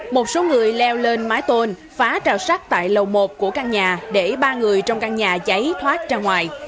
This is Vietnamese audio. một số người leo lên mái tôn phá trào sắt tại lầu một của căn nhà để ba người trong căn nhà cháy thoát ra ngoài